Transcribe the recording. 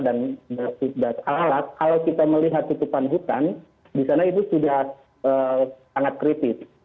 dan das alat kalau kita melihat tutupan hutan di sana itu sudah sangat kritis